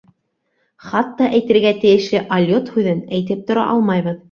Хатта әйтелергә тейешле алйот һүҙен әйтеп тә тормайбыҙ.